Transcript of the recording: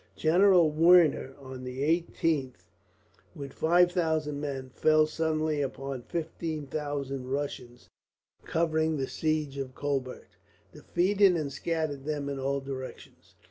General Werner on the 18th, with five thousand men, fell suddenly upon fifteen thousand Russians covering the siege of Colbert, defeated, and scattered them in all directions.